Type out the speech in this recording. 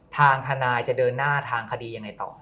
ทางทนายจะเดินหน้าทางคดียังไงต่อ